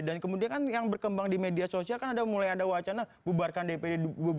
dan kemudian kan yang berkembang di media sosial kan mulai ada wacana bubarkan dpd